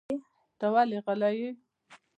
ته ولې غلی یې؟